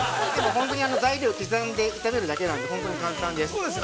◆本当に材料を刻んで炒めるだけなので簡単です。